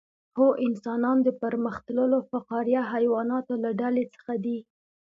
هو انسانان د پرمختللو فقاریه حیواناتو له ډلې څخه دي